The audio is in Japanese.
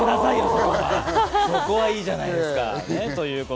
そこはいいじゃないですか。